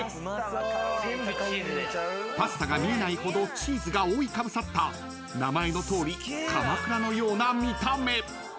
［パスタが見えないほどチーズが覆いかぶさった名前のとおりかまくらのような見た目］